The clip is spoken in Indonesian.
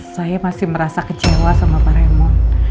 saya masih merasa kecewa sama pak remo